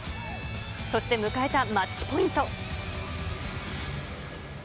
そして迎えたマッチポイント。